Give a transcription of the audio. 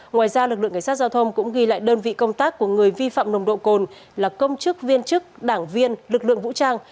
ngoài ra lực lượng cảnh sát giao thông cũng ghi lại đơn vị công tác của người vi phạm nồng độ cồn là công chức viên chức đảng viên lực lượng vũ trang